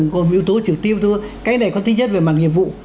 còn yếu tố trực tiếp thôi cái này có tính nhất về mặt nghiệp vụ